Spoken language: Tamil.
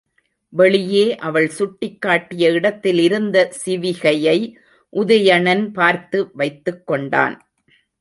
வெளியே அவள் சுட்டிக் காட்டிய இடத்தில் இருந்த சிவிகையை உதயணன் பார்த்து வைத்துக் கொண்டான்.